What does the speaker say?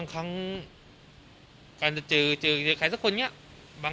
ตรงนี้เนี้ยอ่า